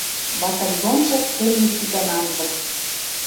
Батальонжы кен Микитӓн анзык